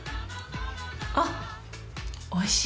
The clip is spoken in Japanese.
あ、おいしい！